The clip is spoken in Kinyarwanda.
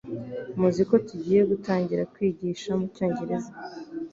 Muzi ko tugiye gutangira kwigisha mu Cyongereza